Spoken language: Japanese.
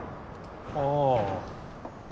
ああ。